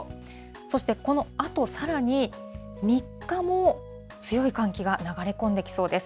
そしてこのあとさらに、３日も強い寒気が流れ込んできそうです。